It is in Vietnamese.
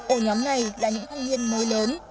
ổ nhóm này là những thanh niên mới lớn